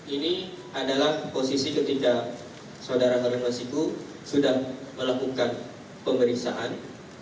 ini adalah posisi ketika saudara harun masiku sudah melakukan pemeriksaan